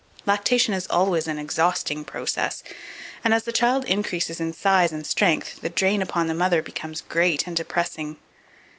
Lactation is always an exhausting process, and as the child increases in size and strength, the drain upon the mother becomes great and depressing.